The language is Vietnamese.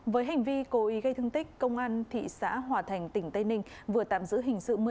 với hành vi cố ý gây thương tích công an thị xã hòa thành tỉnh tây ninh vừa tạm giữ hình sự